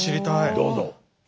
どうぞ。